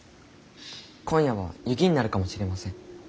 今夜は雪になるかもしれません。